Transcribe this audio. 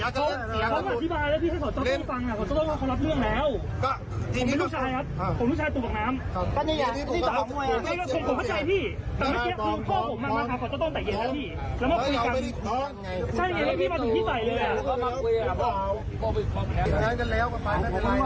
อยากย้ายดีกว่าไป